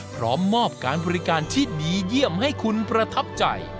พร้อมมอบการบริการที่ดีเยี่ยมให้คุณประทับใจ